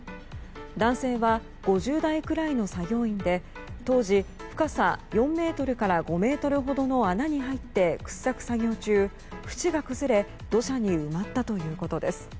男性は、５０代くらいの作業員で当時、深さ４ｍから５ｍほどの穴に入って掘削作業中、淵が崩れ土砂に埋まったということです。